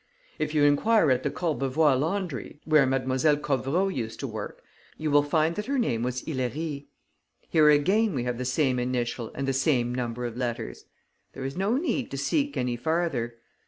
If you enquire at the Courbevoie laundry, where Mlle. Covereau used to work, you will find that her name was Hilairie. Here again we have the same initial and the same number of letters. There is no need to seek any farther.